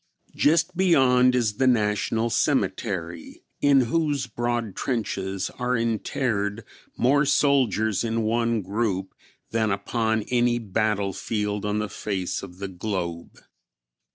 Just beyond is the National Cemetery, in whose broad trenches are interred more soldiers in one group than upon any battlefield on the face of the globe.